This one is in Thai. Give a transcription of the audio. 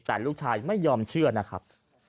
แต่ลูกชายไม่ยอมเชื่อนะครับ